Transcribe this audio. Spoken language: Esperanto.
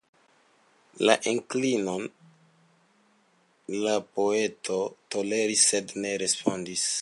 La inklinon la poeto toleris sed ne respondis.